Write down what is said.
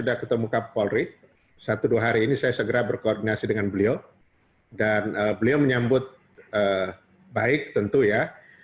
dan beliau menyambut baik tentu ya